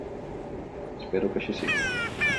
Espero que així sigui.